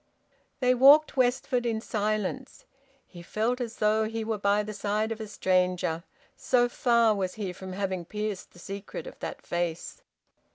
They walked westwards in silence. He felt as though he were by the side of a stranger, so far was he from having pierced the secret of that face.